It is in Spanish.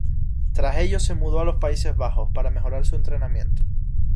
Tras ellos se mudó a los Países Bajos para mejorar su entrenamiento.